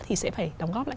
thì sẽ phải đóng góp lại